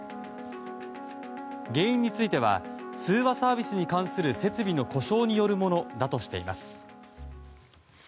原因については通話サービスに関する設備の故障によるものだとしています。